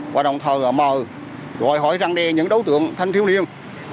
hoạt động thờ mờ gọi hỏi răng đe những đấu tượng thanh thiếu liêng